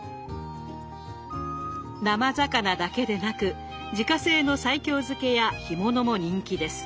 生魚だけでなく自家製の西京漬けや干物も人気です。